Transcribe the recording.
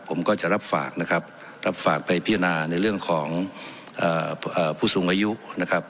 ผมก็จะรับฝากนะครับรับฝากไปพิจารณาในเรื่องของผู้สูงอายุนะครับ